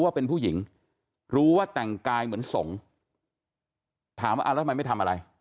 ว่าเป็นผู้หญิงรู้ว่าแต่งกายเหมือนสงฆ์ถามว่าอ่าแล้วทำไมไม่ทำอะไร